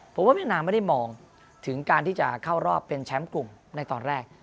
ผมว่าเวียดนามไม่ได้มองถึงการที่จะเข้ารอบเป็นแชมป์กลุ่มในตอนแรก